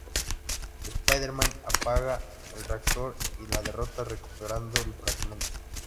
Spider-Man apaga el reactor y la derrota, recuperando el fragmento.